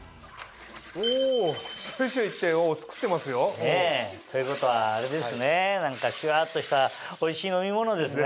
おシュシュいって作ってますよ。ねぇ！ということはあれですね何かシュワっとしたおいしい飲み物ですね。